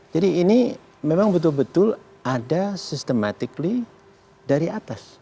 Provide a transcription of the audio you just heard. jadi ini memang betul betul ada sistematik dari atas